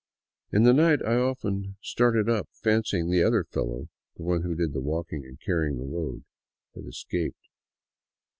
In the night I often started up fancying the other fellow — the one who did the walking and carried the load — had escaped.